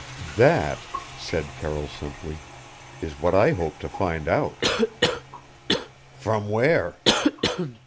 "That," said Carroll simply, "is what I hope to find out." "From where?"